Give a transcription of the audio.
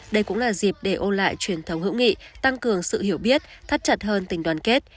đây cũng là dịp để ôn lại truyền thống hữu nghị tăng cường sự hiểu biết thắt chặt hơn tình đoàn kết